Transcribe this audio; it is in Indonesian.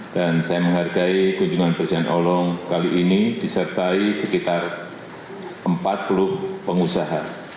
dan saya menghargai kunjungan presiden orlom kali ini disertai sekitar empat puluh pengusaha